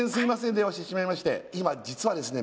電話してしまいまして今実はですね